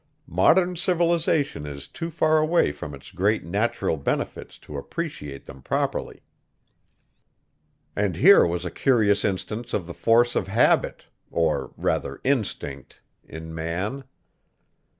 Modern civilization is too far away from its great natural benefits to appreciate them properly. And here was a curious instance of the force of habit or, rather, instinct in man.